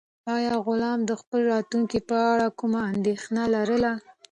آیا غلام د خپل راتلونکي په اړه کومه اندېښنه لرله؟